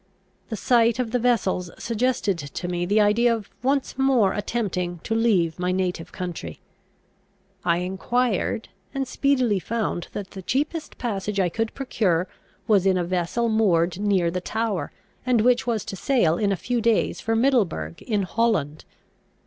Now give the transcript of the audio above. The sight of the vessels suggested to me the idea of once more attempting to leave my native country. I enquired, and speedily found that the cheapest passage I could procure was in a vessel moored near the Tower, and which was to sail in a few days for Middleburgh in Holland.